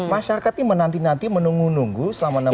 masyarakat ini menanti nanti menunggu nunggu selama enam bulan